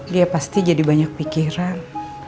dia pasti jadi banyak pikiran